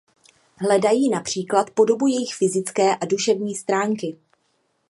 Hledají například podobu jejich fyzické a duševní stránky.